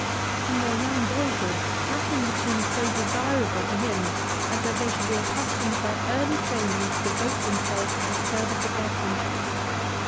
From their young boyhood nothing had seemed so desirable to him as that they should be accustomed by early training to devote themselves to the service of their country.